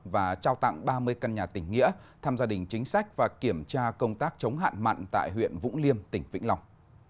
và trao tặng ba mươi căn nhà tỉnh nghĩa thăm gia đình chính sách và kiểm tra công tác chống hạn mặn tại huyện vũng liêm tỉnh vĩnh long